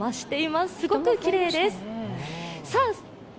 すごくきれいです。